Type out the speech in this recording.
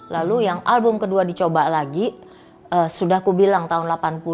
lalu yang album kedua dicoba lagi sudah kubilang tahun delapan puluh